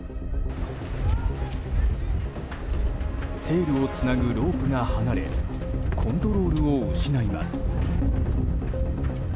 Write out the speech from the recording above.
セールをつなぐロープが離れコントロールを失います。